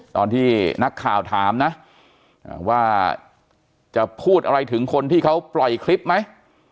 ตอนที่นักข่าวถามนะว่าจะพูดอะไรถึงคนที่เขาปล่อยคลิปไหม